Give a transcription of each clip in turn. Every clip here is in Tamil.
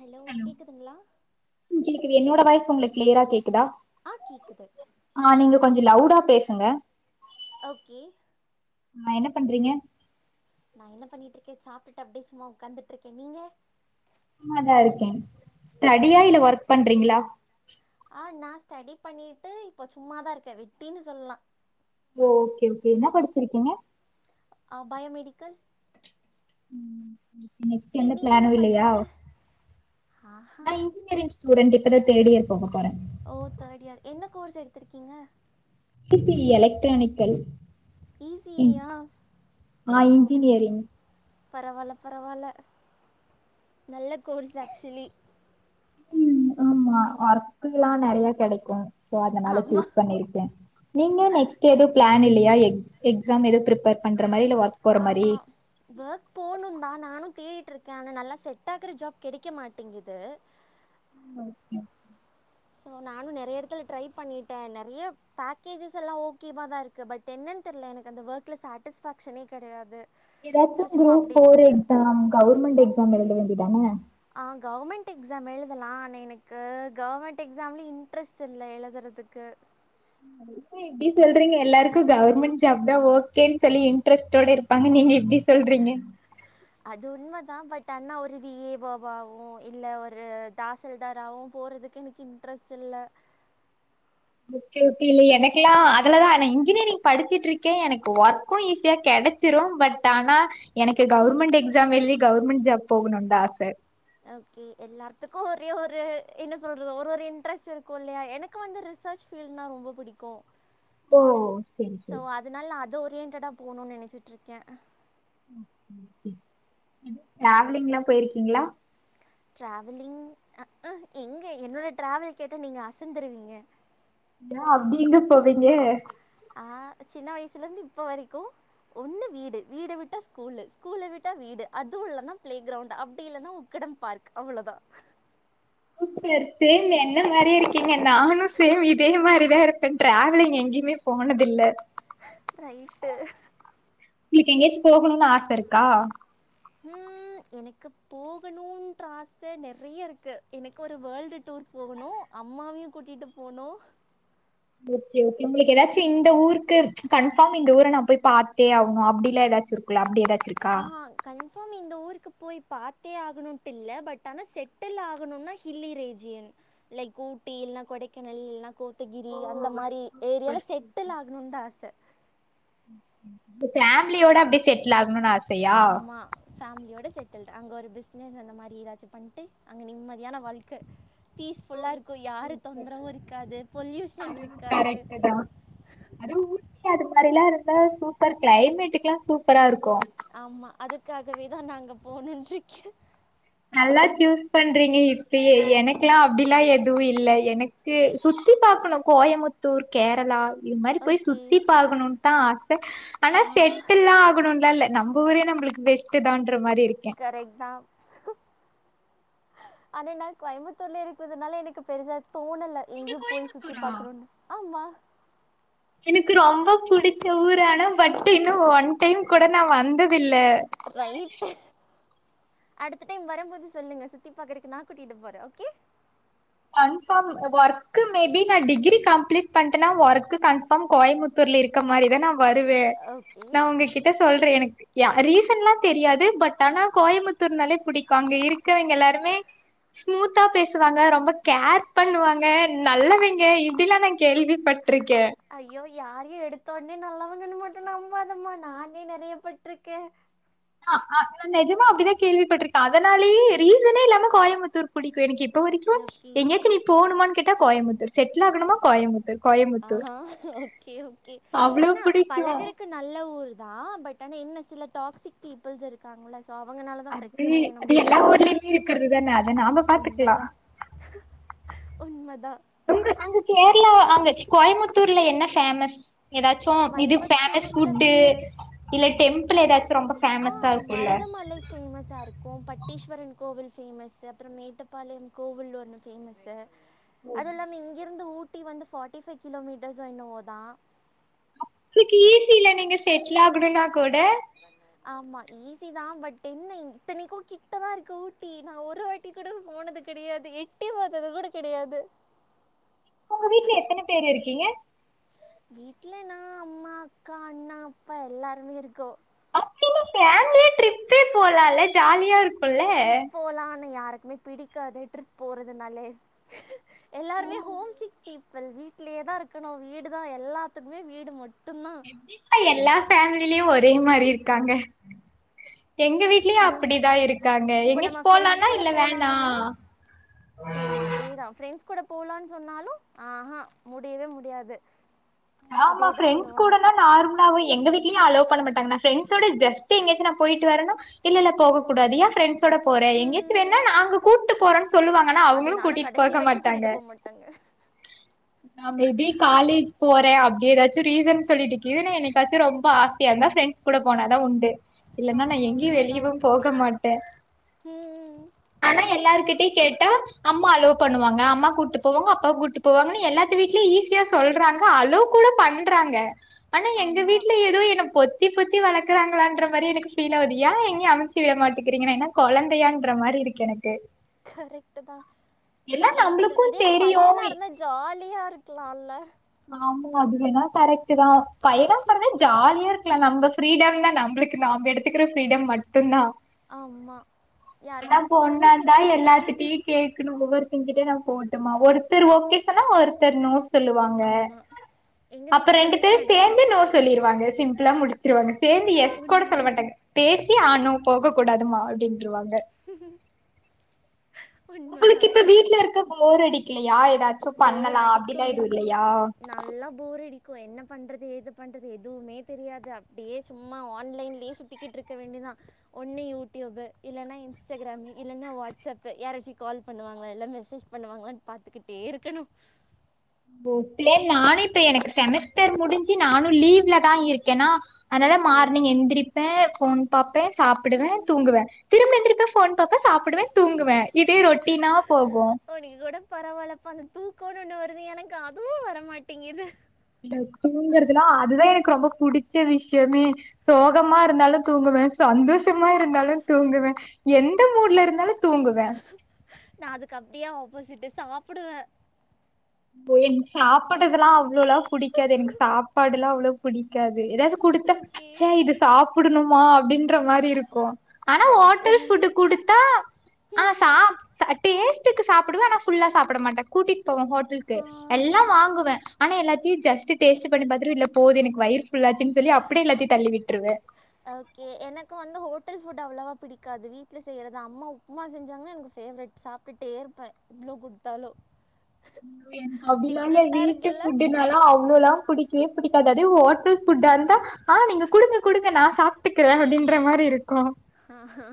ஹலோ கேக்குதுங்ளா ம் கேக்குது என்னோட வாய்ஸ் உங்களுக்கு க்ளியரா கேக்குதா ஆ கேக்குது ஆ நீங்க கொஞ்சோ லவுடா பேசுங்க ஓகே ஆ என்ன பண்றீங்க நா என்ன பண்ணிக்ட்டு இருக்கே சாப்ட்டுட்டு அப்புடியே சும்மா உக்காந்துட்டுருக்கே நீங்க சும்மாதா இருக்கே த்ரடியா ஓகே இல்ல ஒர்க் பண்றீங்களா ஆ நா ஸ்டடி பண்ணிட்டு இப்போ சும்மாதா இருக்கே வெட்டின்னு சொல்லா ஓ ஓகே ஓகே என்ன படிச்சிருக்கீங்க ஆ பயோமெடிக்கல் நெக்ஸ்ட் கே எந்த நீங்க பிளானு என்ன இல்லையா பண்றீங்க ஓ ஆஹா ரெண்டு இப்பதா தேர்டு இயர் போக போற ஓ தேர்டு இயர் என்ன கோர்ஸ் எடுத்திருக்கீங்க ட்ரிப்ளி எலக்டரானிக்கல் ஈ சி இ யா ஆ இன்ட்டியரிங் பரவால்ல பரவால்ல நல்ல கோர்ஸ் ஆக்சுவலி ஆ ஒர்க்குல்லா நெறைய கெடைக்கு சோ அதனால ஆமா சூஸ் பண்ணிருக்கே நீங்க நெக்ஸ்ட் ஏது பிளான் இல்லையா எக் எக்ஸாம் ஏதோ ப்ரிப்பர் பண்ற மாரி இல்ல ஒர்க் போற மாரி வொக் போணு தா நானு தேடிட்ருக்கே ஆனா நல்லா செட் ஆகுற ஜாப் கெடைக்க மாட்டேங்குது ம் ஓகே ஸோ நானு நெறைய எடத்துல ட்ரை பண்ணிட்ட நெறைய பேக்கேஜஸ் எல்லா ஓகேவா தா இருக்கு பட் என்னன் தெர்ல எனக்கு அந்த ஒர்க்ல சாட்டிஸ்ஃபேக்ஷனே கெடையாது ஸோ ஏதாச்சும் சும்மா குரூப் அப்டியே ஃபோர் இருக்கு எக்ஸாம் கவுர்மெண்ட் எக்ஸாம் எழுத வேண்டிதான ஆ கவர்மெண்ட் எக்ஸாம் எழுதலா ஆனா எனக்கு கவர்மெண்ட் எக்ஸாம்ல இன்ட்ரெஸ்ட் இல்ல எழுதுறதுக்கு என்ன இப்டி சொல்றீங்க எல்லாருக்கு கவுர்மெண்ட் ஜாப் தா ஓகேன் சொல்லி இன்ட்ரெஸ்டோட இருப் பாங்க நீங்க இப்டி சொல்றீங்க அது உண்மதா பட் அன்னா ஒரு வி ஏ வோ வாவு இல்ல ஒரு தாசல்தாராவு போறதுக்கு எனக் இன்ட்ரெஸ்ட் இல்ல ஓகே ஓகே இல்ல எனக்குல்லா அதுலதா நா இன்ஜினியரிங் படிச்சிட்ருக்கே எனக்கு ஒர்க்கு ஈஸியா கெடச் ச்சிரு பட் ஆனா எனக்கு கவுர்மெண்ட் எக்ஸாம் எழுதி கவுர்மெண்ட் ஜாப் போகணுன் தா ஆச ஓகே எல்லார்த்துக்கு ஒரே ஒரு என்ன சொல்றது ஒரு ஒரு இன்ட்ரெஸ்ட் இருக்கு இல்லையா எனக் கு வந்து ரிசர்ச் ஃபீல்டுனா ரொம்ப புடிக்கு ஓ செரி செரி அதனால அது ஒரியன்டடா போணுன் நெனச்சிட்ருக்கே ஓகே ஓகே ட்ராவலிங்லா போயிருக்கீங்ளா டிராவலிங் எங்க என்னோட டிரவல் கேட்டா நீங்க அசந்தருவீங்க யா அப்டி எங்க போவீங்க ஆ சின்ன வயசுல இருந்து இப்ப வரைக்கு ஒன்னு வீடு வீட விட்டா ஸ்கூல்லு ஸ்கூல விட்டா வீடு அதுவுல்லன்னா பிளே கிரவுண்ட் அப்டி இல்லைனா கிடம் பார்க் அவ்ளோதா [inaudible] சேம் என்ன மாரியே இருக்கீங்க நானு சேம் இதே மாரிதா இருக் டிராவலிங் எங்கிமே போனதில்ல ரைட்டு உங்ளுக் எங்கேச்சு போகணுன் ஆச இருக்கா ம் எனக்கு போகணுன்ற ஆச நெறைய இருக்கு எனக்கு ஒரு வேர்ல்டு டூர் போகணு அம்மாவையு கூட்டிட்டு போனு ஓகே ஓகே உங்குளுக்கு ஏதாச்சு இந்த ஊருக்கு கன்பாஃர்ம் இந்த ஊர நா போய் பார்த்தே ஆகணு அப்டில்லா ஏதாச்சு இருக் இல்ல அப்டி ஏதா ஆஹான் கன்ஃபார்ம் இந்த ஊருக்கு போய் பாத்தே ஆகணுட்டு இல்ல பட் ஆனா செட்டில் ஆகணுனா ஹில்லி ரீஜியன் லைக் ஊட்டி எல்லா கொடைக்காணல் எல்லா கோத்தகிரி ஓ அந்த மாரி ஏரியால சூப்பர் செட்டில் ஆகணுனு தா ஆச ஃபேமிலியோட அப்டியே செட்டில் ஆகணுனு ஆசையா ஆமா ஃபேமிலியோட செட்டில்ட் அங்கே ஒரு பிஸ்னஸ் அந்த மாரி எதாச்சு பண்ணிட்டு அங்கே நிம்மதியான வாழ்க்க பீஸ்ஃபுல்லா இருக்கு யாரு தொந்தரவு இருக்காது பொல்யூஷன் அதுவு இருக்காது கரெக்ட்டு தா அதுவு ஊட்டி அது மாதிரில்லா இருந்தா சூப்பர் கிளைமேட்டுக்ல்லா சூப்பரா இருக்கு ஆமா அதுக்காகவே தா நா அங்க போனுன்று இருக்கே நல்லா சூஸ் பண்றீங்க இப்பயே எனக்ல்லா அப்படிலா எதுவு இல்ல எனக் சுத்தி பாக்கணு கோயமுத்தூர் கேரளா இது மாரி போய் ஓகே சுத்தி பாக்கணு தா ஆச ஆனா ஆஹா செட்டில்லா ஆகணுன்லா இல்ல நம்ம ஊரே நம்மளுக்கு பெஸ்ட் தான்ற மாரி இருக்கே கரெக்ட் தா ஆனா நா கோயம்புத்தூர்ல இருக்கிறதுதுனால எனக்கு பெருசா தோணல நீங்க எங்கேயு போய் சுத்தி கோயம்புத்தூரா பாக்கணுன்னு ஆமா எனக்கு ரொம்ப பிடிச்ச ஊரு ஆனா பட் இன்னு ஒன் டைம் கூட நா வந்ததில்ல ரைட்டு அடுத்த டைம் வரும்போது சொல்லுங்க சுத்தி பாக்குறக்கு நான் கூட்டிட்டு போறே ஓகே கன்ஃபார்ம் ஒர்க்கு மேபி நா டிகிரி கம்ப்ளீட் பண்ட்டேனா ஒர்க்கு கன் ஃபாம் கோயமுத்தூர்ல இருக்க மாரிதா நா வருவே ஓகே நா உங்ககிட்ட சொல்றே எனக்கு யா ரீசன்ல்லா தெரியாது பட் ஆனா கோயம்புத்தூர்னாலே பிடிக்கு அங்க இருக்கவங்க எல்லாருமே ஸ்மூத்தா பேசுவாங்க ரொம்ப கேர் பண்ணுவாங்க நல்லவிங்க இப்படிலா நா கேள்விப்பட்டுருக்கே ஐயோ யாரையு எடுத்த உடனே நல்லவங்கன்னு மட்டு நம்பாதம்மா நானே நிறைய பட்ருக்கே ஆஹ் ஆஹ் நஜமா அப்டிதா கேள்விப்பட்டிருக்கே அதனாலயே ரீசனே இல்லாம கோயமுத்தூர் பிடிக்கு எனக்கு இப்ப வரைக்கு ஓகே எங்கயாச்சும் நீ போணுமானு கேட்டா கோயம்புத்தூர் செட்டில் ஆகணுமா கோயமுத்தூர் ஆஹா ஓகே ஓகே அவ்வளவு ஆனா பிடிக்கும் பழகர நல்ல ஊர் தா பட் ஆனா என்ன சில டாக்சிக் பீபுள்ஸ் இருக்காங்கள சோ அவங்கனாலதா அது பிரச்சனையே அது நம்மளுக்கு எல்லா ஊர்லயுமே இருக்கிறது தான அத நாம பாத்துக்கலா உண்மதா உண்மதா உங்க அங்க கேரளா அங்க கோயமுத்தூர்ல என்ன ஃபேமஸ் எதாச்சு இது ஃபேமஸ் கோயம்புத்தூர்ல ஃபுட்டு ஃபேமஸ் இல்ல டெம்பிள் எதாச்சு ரொம்ப ஃபேமஸா இருக்குல்ல இந்த மலை ஃபேமஸ்ஸா இருக்கு பட்டீஸ்வரன் கோவில் ஃபேமஸு அப்புறோ மேட்டப்பாளையம் கோவில் ஒன்னு ஃபேமஸு அது இல்லாம இங்கிருந்து ஊட்டி வந்து ஃபார்ட்டி பைய் கிலோமீட்டர்ஸோ என்னவோ தா சிசில நீங்க செட்டில் ஆகணுன்னா கூட ஆமா ஈஸி தா பட் என்ன இத்தனைக்கு கிட்டதா இருக்கு ஊட்டி நா ஒருவா எட்டி கூட போனது கிடையாது எட்டி பாத்தது கூட கிடையாது உங்க வீட்டுல எத்தன பேரு இருக்கீங்க வீட்ல நா அம்மா அக்கா அண்ணா அப்பா எல்லாருமே இருக்கோ அப்டினா ஃபேமிலியா ட்ரிப்பே போலால ஜாலியாருக் ட்ரிப் போலா ஆன்னா யாருக்குமே பிடிக்காது ட்ரிப் போறதுனாலே எல்லாருமே ஹோம் சிக் பீப் பிள் வீட்லயே தா இருக்கணு வீடுதா எல்லாத்துக்குமே வீடு மட்டு தா ஏப்பா எல்லா ஃபேமிலிலயு ஒரே மாரி இருக்காங்க எங்க வீட்டு லயு அது வந்து அப்டிதா இருக்காங்க இப்போ எங்கயாச்சு நம்ம ஃப்ரெண்ட்ஸ் போலானா கூட இல்ல வேணா போகலான்னாலும் சேம் அதேதா ஃப்ரெண்ட்ஸ் கூட போலான்னு சொன்னாலு ஆஹ்ஹா முடியவே முடியாது ஆமா அதே தான் ஃப்ரெண்ட்ஸ் சொல்லுவாங்க கூடனா நார்மல் ஸாவு எங்க வீட்லயு அலவ் பண்ணமாட்டாங்க நா ஃப்ரெண்ஸோட ஜஸ்ட் எங்கயாச்சு நா போய்ட்டு வரேனா இல்லல்ல போக கூடாது ஏ ஃப்ரெண்ட்ஸோட போறே எங்யாச்சு ஹம், வேணா நாங்க கூட்டு போறோன் சொல்லுவாங்க ஆனா அவுங்களு அதேதான் ஆனால் கூட்டிட் கடைசி போக வரைக்கும் மாட்டாங்க கூட்டிகிட்டு போக மாட்டாங்க அ மேபி காலேஜ் போறே அப்டி ஏதாச்சு ரீசன் சொல்லிட்டுக்கீதுன்னு என்னைக்காச்சு ரொம்ப ஆசையா இருந்தா ஃப்ரெண்ட்ஸ் கூட போனாதா உண்டு ஆ இல்லன்னா நா எங்கயு வெளியவு போக மாட்டே ஆ ஆனா எல்லாருகிட்டயு கேட்டா அம்மா அலோவ் பண்ணுவாங்க அம்மா கூட்டு போவாங்க அப்பா கூட்டு போவாங்கனு எல்லாத்து வீட்லியு ஈஸியா சொல்றாங் க அலோவ் கூட பண்றாங்க ஆனா எங்க ஆமாம் வீட்ல ஏதோ என்ன பொத் பொத்தி பொத்தி வளக்குராங்களான்ற மாரி எனக்கு ஃபீல் ஆவுது ஏ எங்கயு அனுப்பி விட மாட்டேக்குறீங்க நா என்ன கொழந்தையான்ற மாரி இருக் கு எனக்கு கரெக்ட்டுதா எல்லா என்ன பண்றது நம்மளுக்கும் இதே தெரியும். பையனா இருந்தா ஜாலியா இருக்லால்ல ஆமாங்க அதுவேனா கரெக்ட்டு தா பையனா பொறந்தா ஜாலியா இருக்லா நம்ப ஃப்ரீடம் தா நம்ப்ளுக்கு நாம்ப எடுத்துக்குற ஃப்ரீடம் மட்டு தா ஆமா ஆனா யார்கிட்டயும் பொண்ணா இருந்தா பெர்மிஷன் கேட்க எல்லார்க்கிட்டியு வேண்டாம் கேக்குணு ஒவ்வொருத் தங்கிட்டயு நா போட்டுமா ஒருத்தர் ஒகே சொன்னா ஒருத்தரு நோ சொல் வாங்க ஆமா எங்க அப்ற வீட்லயும் ரெண்டு அதே பேரு தான் நடக்கும் சேந்து நோ சொல்லிருவாங்க சிம் பிள்ளா முடிச்ருவாங்க சேந்து எஸ் கூட சொல்ல உண்மைதான் மாட்டாங்க பேசி ஆனு போக கூடாதுமா அப்டின்றுவாங்க ஒங்களுக்கு உண்மைதான் இப்ப வீட்ல இருக்க போர் அடிக்கிலயா ஏதாச்சு போர் பண்ணலா அப்டில்லா அடிக்குமே எது இல்லையா நல்லா போர் அடிக்கு என்ன பண்றது ஏது பண்றது எதுவுமே தெரியாது அப்டியே சும்மா ஆன்லைன்லேயே சுத் திக்கிட் இருக்க வேண்டியதா ஒன்னு யூடியூப்பூ இல்லன்னா இன்ஸ்டாகிராம்மு இல்லன்னா வாட்ஸ்அப்பு யாராச்சு கால் பண்ணுவாங்கள இல்ல மெசேஜ் பண்ணுவாங்ளான்னு பாத்துக்கிட்டே இருக்கணு ஓ ஃபிளே நானு இப்ப எனக்கு செமஸ்டர் முடிஞ்சு நானு லீவ்ல தா இருக்கேன்னா அதனால ஓகே மார்னிங் எந்திரிப்பே ஃபோன் பாப்பே சாப்புடுவே ம் தூங்குவே திரும்ப எந்திரிப்பே ஃபோன் பாப்பே சாப்புடுவே தூங்குவே இதே ரொட்டினா போகு ஒனக்கு கூட பரவால்லப்பா அந்த தூக்கோனு ஒன்னு வருது எனக்கு அதுவு வரமாட்டிங்குது இந்த தூங்குறதுலா அதுதா எனக்கு ரொம்ப புடிச்ச விஷ்யமே சோகமா இருந்தாலு தூங்குவே சந்தோஷமா இருந்தாலு தூங்குவே எந்த மூட்ல இருந்தாலு தூங்குவே நா அதுக்கு அப்டியே ஆப்போசிட்டு சாப்டுவே ஓ எனக்கு சாப்டறதுல்லா அவ்ளோல்லா புடிக்காது எனுக் சாப்பாடுலா அவ்ளோ புடிக்காது எதாயாச்சு குடுத்தா ஓகே சே இது சாப்புடணுமா அப்டின்ற மாரி இருக்கு ஆனா ரைட்டு ஓட்டல் ஃபுட்டு குடுத்தா ஆ ம் சாப் டேஸ்டுக்கு சாப்புடுவே ஆனா ஃபுல்லா சாப்புட மாட்டே கூட்டிட் போவே ஹோட்லுக் கு எல்லா வாங்குவே ஆனா எல்லாத்தையு ஜஸ்ட்டு டேஸ்ட்டு பண்ணி பாத்துட்டு இல்ல போது எனக்கு வயிர்ஃபுல்லாச்சுன் சொல்லி அப்டியே எல்லாத்தையு தள்ளி விட்டுருவே ஓகே எனக்கு வந்து ஹோட்டல் ஃபுட் அவ்ளோவா புடிக்காது வீட்ல செய்யறதா அம்மா அம்மா செஞ்சாங்கன்னா எனக்கு ஃபேவரெட் சாப்ட்டுட்டே இருப்பே எவ்ளோ குடுத்தாலு ஐயோ என்க்கு அப்டிலா இல்ல வீட்டு ஃபுட்டுனால அவ்ளோலா புடிக் கவே புடிக்காது அதுவே ஓட்டல் ஃபுட்டாருந்தா ஆ நீங்க குடுங்க குடுங்க நா சாப்ட்டுக்குறே அப்டின்ற மாரி இருக்கு ஆஹா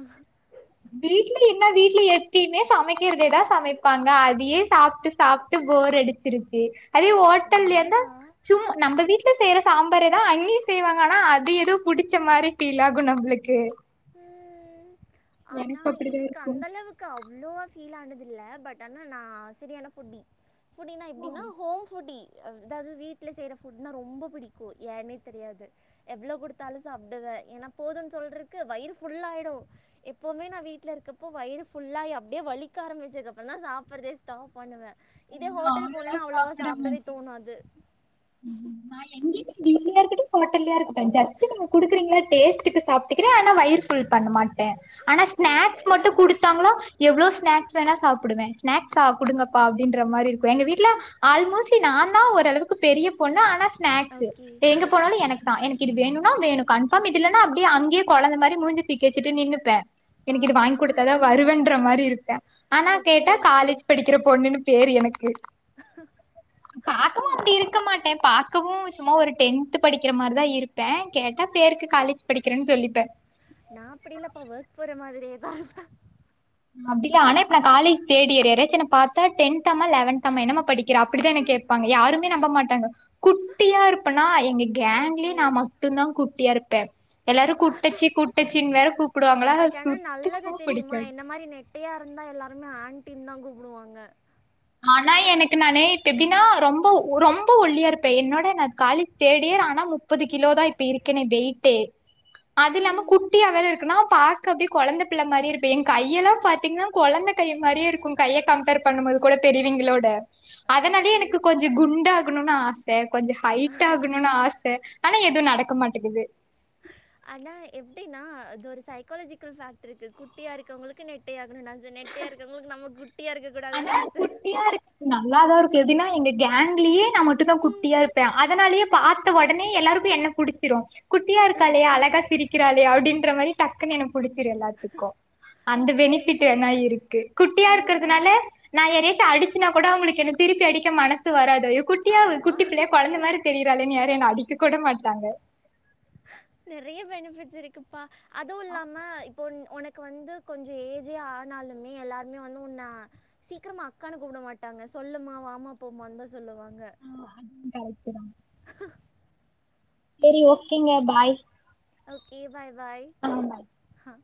வீட்ல என்ன வீட்ல எப்பிமே சமைக்கிறதேதான் சமைப்பாங்க அதையே சாப்ட்டு சாப்ட்டு போர் அடிச்சிருச்சி அதே ஓட்டல்ல இருந்த உண்மைதான் சும் நம்ம வீட்ல செய்ற சாம்பாரேதான் அங்கெயும் செய்வாங்க ஆனா அது எதோபுடிச்ச மாதிரி பீலாகு நம்பளுக்கு ம் ஆனா அப்டிதா எனக்கு இருக்கு அந்த அளவுக்கு அவ்ளோ ஃபீலானது இல்ல பட் ஆனா நா சரியான ஃபுட்டி ஃபுட்டின எப்டினா ஹோம் ஃபுட்டி அதாவது வீட்ல செய்ற ஃபுட்னா ரொம்போ புடிக்கு ஏன்னே தெரியாது எவ்ளோ குடுத்தாலு சாப்டுவே ஏன்னா போதும் சொல்றக்கு வயிறு ஃபுல்லாயிடு எப்பவுமே நா வீட்ல இருக்கப்போ வயிறு ஃபுல்லாயி அப்டியே வலிக்க ஆரம்பிச்சதுக்கப்புற தா சாப்ட்றதே ஸ்டாப் பண்ணுவே இதே நா ஹோட்டல் அவ்ளோலா போனுன்னா அவ்ளோவா சாப்ட சாப்டவே தோணாது நா எங்கயு வீட்லயா இருக்கட்டு ஹோட்டல்யா இருக்கட்டு ஜஸ்ட் நீங்க குடுக்குறீங்கள டேஸ்ட்டுக்கு சாப்ட்டுக்றே ஆனா வயிறு ஃபுல் பண்ண மாட்டே ஆனா ரைட்டு. ஸ்நாக்ஸ் மட்டு குடுத் தாங்கனா எவ்ளோ ஸ்நாக்ஸ் வேணா சாப்டுவே ஸ்நாக்ஸ் சாப்டுங்கப்பா அப்டின்ற மாரி இருக்கு எங்க வீட்ல ஆல்மோஸ்ட்லி நான்தா ஓரளவுக் கு பெரிய பொண்ணு ஆனா ஸ்நாக்ஸ் ஓகே. எங்க போனாலு எனக்கு தா எனக்கு இது வேணுனா வேணு கண் ஃப்பாம் இதுலன்ன ம். அப்டியே அங்கேயே கொழந்த மாரி மூஞ்ச தூக்கி வச்சிட்டு நின்னுப்பே எனக்கு இது ஆஹா. வாங்கி குடுத்தாதா வருவேன்ற மாரி இருப்பே ஆனா ஓகே, கேட்டா ஓகே. காலேஜ் படிக்கிற பொண்ணுன்னு பேரு எனக்கு ஓகே மாட்டே பாக்கவு சும்மா ஒரு டென்த் படிக்கிற மாரிதா இருப்பே கேட்டா பேருக்கு காலேஜ் படிக்கிறேன்னு சொல்லிப்பே நா அப்டி இல்லப்பா ஒர்க் போற மாரியேதா இருப்பே அப்டில்ல ஆனாப்ப நா காலேஜ் தேர்ட் இயர் யாராச்சுன பாத்தா டென்த் தாமா லெவன்த் தாமா என்னமா படிக் கிற அப்டித்தா என்ன கேப்பாங்க யாருமே நம்ப மாட்டாங்க குட்டியா இருப்பேனா எங்க கேங்கிலே ஓகே நா ம ட்டுந்தா குட்டியா இருப்பே எல்லாரு கூட்டச்சி கூட்டச்சின் வேற கூப்புடுவாங்களா சுத்தமா புடிக்காது இது மாரி நெ ட்டைய இருந்தா எல்லாருமே ஆன்ட்டின் தா கூப்டுவாங்க ஆனா எனக்கு நானே இப்ப எப்டி னா ரொம்ப ரொம்ப ஒல்லியா இருப்பே என்னோட நா காலேஜ் தேட் இயர் ஆனா முப்பது கிலோ தா இப்டி இருக்கனே வெயிட்டே அது இல்லாம ம் குட்டியா வேற இருக்கேனா பா க்க அப்டியே கொழந்த பிள்ள மாரியே இருப்பே எ கையெல்லா பாத்தீங்கன்னா கொழந்த கை மாரியே இருக்கு கைய கம்பேர் பண்ணும்போது கூட பெரியவிங்களோட அதனாலயே ஓகே எனக்கு கொஞ்சோ குண்டாகணுன்னு ஆ ச கொஞ்சோ ஹைட் ஆகணுன்னு ஆச ஆனா எதுவு நடக்க மாட்டேங்கிது ஆனா எப்டின்னா அது ஒரு சைக்காலஜிக்கல் ஃபேக்ட்ரு இருக்கு குட்டியா இருக்கவங்களுக்கு நெட் ட்டையாகணுனு ஆச நெட்டையா இருக்கவங்களுக்கு நம்ம குட்டியா இருக்க ஆனா குட்டியா இருக்கு நல்லாதா இருக்கு எப்டினா எங்க கேங்க்லியே நா மட்டுந்தா ம் குட்டியா இருப்பே அதனாலயே பாத்த ஒடனே எல்லாருக்கு என்ன புடிச்சிரு குட்டியா இருக்காலே ஓகே அழகா சிரிக்கறாளே அப்டின்ற மாரி டக்குன்னு என புடிச்சிரு எல்லாத்துக்கோ அந்த ஓகே பெனிஃபிட் வேன்னா இருக்கு குட்டியா இருக்கிறதுனால உண்மைதான் நா ஏதேச்ச அடிச்சுனா கூட அவங்களுக்கு என்ன திருப்பி அடிக்க மனசு வராது குட்டியா குட்டி பிள்ளையா ஆமாம் கெழந்த மாரி தெரிறாலேன்னு யாரு என்ன அடிக்க கூட மாட்டாங்க நெறைய பெனிஃபிட்ஸ் இருக்குப்பா அதுவு இல்லாம இப்போ உன் உனக் கு வந்து கொஞ்சோ ஏஜே ஆனாலுமே எல்லாருமே வந்து உன்ன சீக்கிரமா அக்கானு கூப்ட மாட்டாங்க சொல்லுமா வாமா போமாந்தா சொல்லுவாங்க அ அதுவு கரெக்ட்டு தா செரி ஓகேங்க பாய் ஓகே பாய் பாய் ஆ